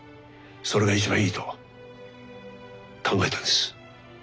それが一番いいと考えたんです。